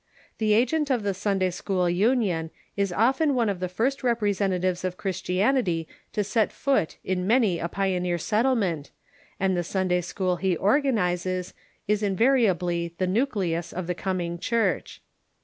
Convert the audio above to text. The agent of the Sunday school Union is often one of the first representatives of Cliristianity to set foot in many a pioneer settlement, and the Sunday school he organizes is invariably the nucleus of the coming church.